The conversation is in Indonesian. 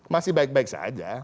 masih baik baik saja